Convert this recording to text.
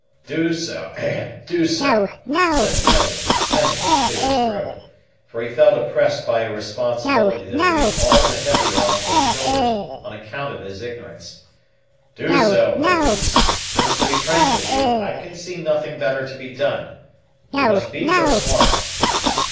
"Do so, do so," said the other, hemming to clear his throat; for he felt oppressed by a responsibility that weighed all the heavier on his shoulders on account of his ignorance. "Do so, Eau douce, since, to be frank with you, I can see nothing better to be done. We must beach or swamp."